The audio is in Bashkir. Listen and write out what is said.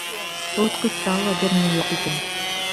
Һыуытҡыста ла бер ни юҡ икән!